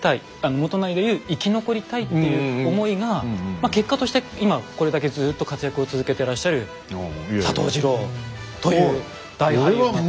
元就が言う生き残りたいっていう思いがまあ結果として今これだけずっと活躍を続けてらっしゃる佐藤二朗という大俳優になった。